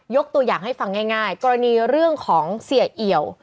ตัวอย่างให้ฟังง่ายกรณีเรื่องของเสียเอี่ยว